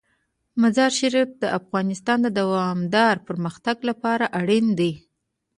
مزارشریف د افغانستان د دوامداره پرمختګ لپاره اړین دي.